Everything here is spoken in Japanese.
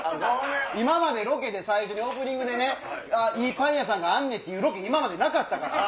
今までロケでオープニングでいいパン屋さんがあんねんってロケなかったから。